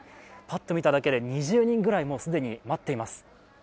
パッと見ただけで２０人ぐらい既に待っています。